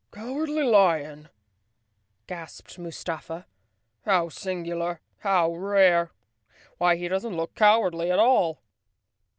"Cowardly Lion?" gasped Mustafa. "How singu¬ lar! How rare! Why, he doesn't look cowardly at all."